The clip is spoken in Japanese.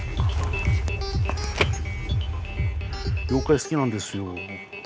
妖怪好きなんですよ。